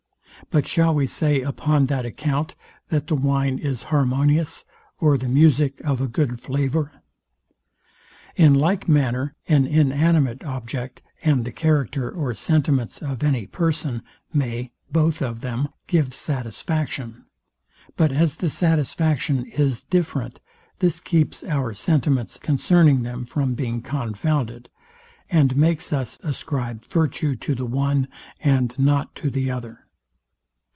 But shall we say upon that account, that the wine is harmonious, or the music of a good flavour? In like manner an inanimate object, and the character or sentiments of any person may, both of them, give satisfaction; but as the satisfaction is different, this keeps our sentiments concerning them from being confounded, and makes us ascribe virtue to the one, and not to the other.